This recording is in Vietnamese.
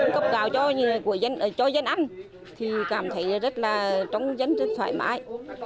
cấp gạo cho dân ăn thì cảm thấy rất là trong dân rất thoải mái